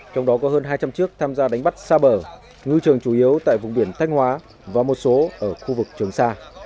trong đó có hơn hai trăm linh chiếc tham gia đánh bắt xa bờ ngư trường chủ yếu tại vùng biển thanh hóa và một số ở khu vực trường sa